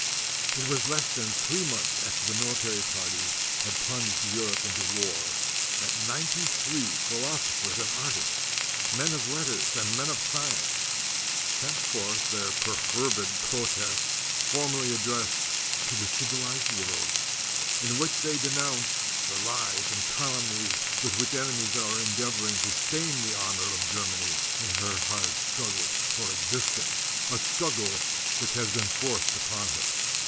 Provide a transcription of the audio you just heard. It was less than three months after the military party had plunged Europe into war that ninety three philosophers and artists, men of letters and men of science sent forth their perfervid protest formally addressed "to the civilized world," in which they de nounced "the lies and calumnies with which enemies are endeavoring to stain the honor of Germany in her hard struggle for existence, a struggle which has been forced upon her."